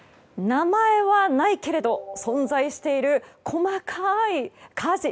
名前はないけれど存在している細かい家事。